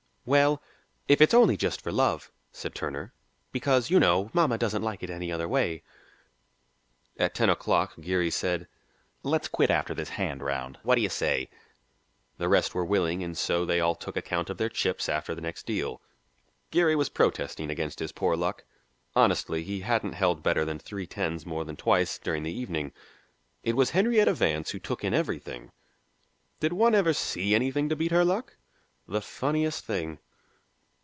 "Well if it's only just for love," said Turner, "because, you know, mamma doesn't like it any other way." At ten o'clock Geary said, "Let's quit after this hand round what do you say?" The rest were willing and so they all took account of their chips after the next deal. Geary was protesting against his poor luck. Honestly he hadn't held better than three tens more than twice during the evening. It was Henrietta Vance who took in everything; did one ever see anything to beat her luck? "the funniest thing!"